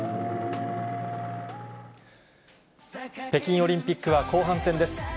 北京オリンピックは後半戦です。